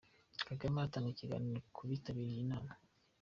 Kagame atanga ikiganiro ku bitabiriye iyi nama.